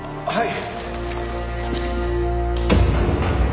はい。